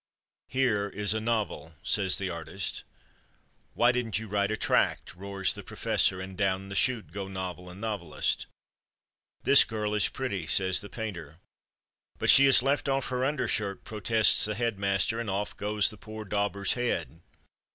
"Here is a novel," says the artist. "Why didn't you write a tract?" roars the professor—and down the chute go novel and novelist. "This girl is pretty," says the painter. "But she has left off her undershirt," protests the headmaster—and off goes the poor dauber's head.